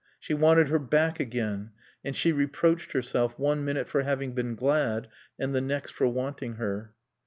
She wanted her back again. And she reproached herself, one minute for having been glad, and the next for wanting her.